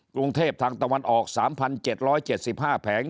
กรุงเทพทางตะวันออก๓๗๗๕แผง